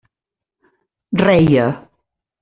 Reia.